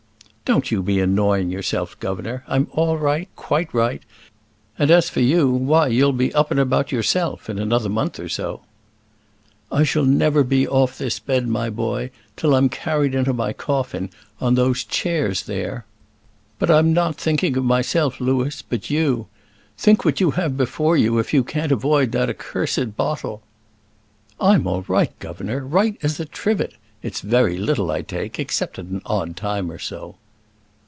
"Don't you be annoying yourself, governor; I'm all right quite right; and as for you, why, you'll be up and about yourself in another month or so." "I shall never be off this bed, my boy, till I'm carried into my coffin, on those chairs there. But I'm not thinking of myself, Louis, but you; think what you may have before you if you can't avoid that accursed bottle." "I'm all right, governor; right as a trivet. It's very little I take, except at an odd time or so."